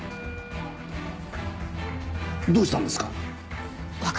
どうしたんですか？